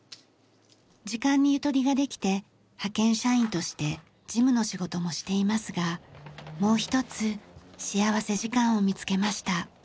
時間にゆとりができて派遣社員として事務の仕事もしていますがもう一つ幸福時間を見つけました。